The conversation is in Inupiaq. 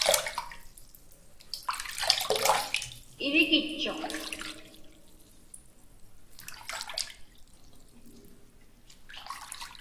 Irikitchuq.